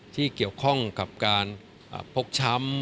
ที่เกี่ยวข้องกับการพกช้ำ